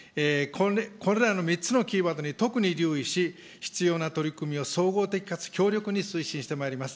これらの３つのキーワードに特に留意し、必要な取り組みを総合的かつ強力に推進してまいります。